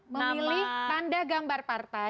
memilih tanda gambar partai